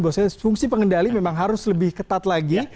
bahwa fungsi pengendali memang harus lebih ketat lagi